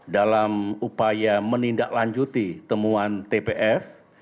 dalam upaya menindaklanjuti temuan tpf